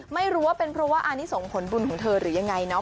ไม่รู้ว่าเป็นเพราะว่าอันนี้ส่งผลบุญของเธอหรือยังไงเนาะ